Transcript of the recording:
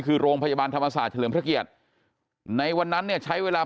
คือโรงพยาบาลธรรมศาสตร์เฉลิมพระเกียรติในวันนั้นเนี่ยใช้เวลา